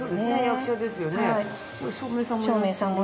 これ照明さんも。